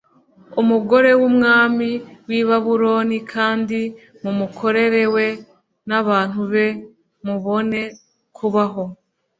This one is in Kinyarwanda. Umugogo w umwami w i babuloni kandi mumukorere we n abantu be mubone kubaho